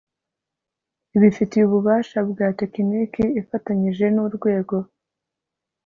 ibifitiye ububasha bwa tekiniki ifatanyije n'urwego